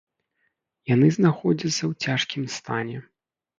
Яны знаходзяцца ў цяжкім стане.